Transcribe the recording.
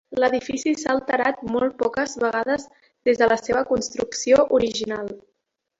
L'edifici s'ha alterat molt poques vegades des de la seva construcció original.